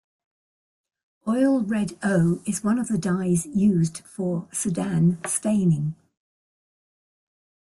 Oil Red O is one of the dyes used for Sudan staining.